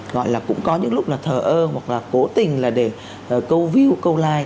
gọi là cũng có những lúc là thờ ơ hoặc là cố tình là để câu view câu like